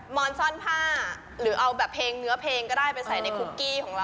อนซ่อนผ้าหรือเอาแบบเพลงเนื้อเพลงก็ได้ไปใส่ในคุกกี้ของเรา